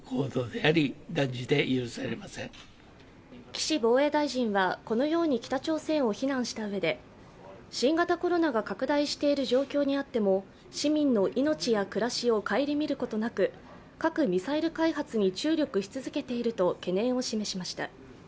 岸防衛大臣はこのように北朝鮮を非難したうえで、新型コロナが拡大している状況にあっても市民の命や暮らしを顧みることなく核・ミサイル開発に注力し続けていると懸念を示しました。